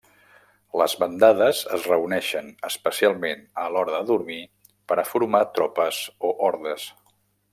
Les bandades es reuneixen, especialment a l'hora de dormir, per a formar tropes o hordes.